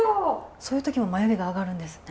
そういう時も眉毛が上がるんですね。